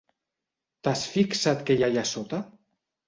T'has fixat què hi ha allà sota?